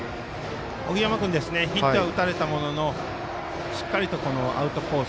荻山君ヒットを打たれたもののしっかりとアウトコース